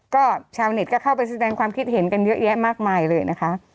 ก็ชาวเน็ตก็เข้าไปแสดงความคิดเห็นกันเยอะแยะมากมายเลยนะคะ